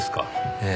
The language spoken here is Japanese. ええ。